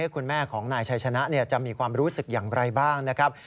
คุณแม่ของนายชัยชนะจะมีความรู้สึกอย่างไรบ้างนะครับ